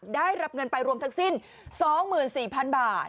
ได้รับเงินไปรวมทั้งสิ้น๒๔๐๐๐บาท